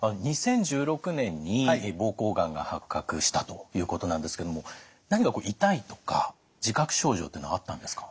２０１６年に膀胱がんが発覚したということなんですけども何か痛いとか自覚症状っていうのはあったんですか？